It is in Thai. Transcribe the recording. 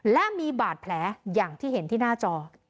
และมีบาดแผลอย่างที่เห็นที่หน้าจอ